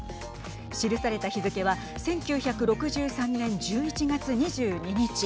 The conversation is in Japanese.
記された日付は１９６３年１１月２２日。